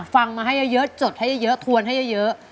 ฟังมาให้เยอะเยอะจดให้เยอะเยอะทวนให้เยอะเยอะ